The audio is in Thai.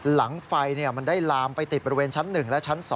หลังไฟมันได้ลามไปติดบริเวณชั้น๑และชั้น๒